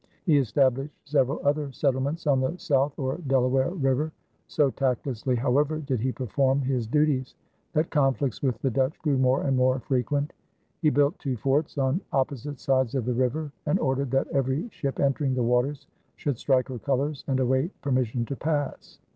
He established several other settlements on the South or Delaware River. So tactlessly, however, did he perform his duties, that conflicts with the Dutch grew more and more frequent. He built two forts on opposite sides of the river and ordered that every ship entering the waters should strike her colors and await permission to pass.